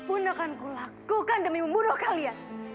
apapun yang akan kulakukan demi membunuh kalian